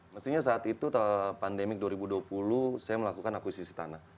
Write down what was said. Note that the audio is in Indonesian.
mestinya saat itu pandemik dua ribu dua puluh saya melakukan akuisisi tanah